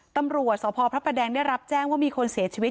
ตำรวจสพพระประแดงได้รับแจ้งว่ามีคนเสียชีวิต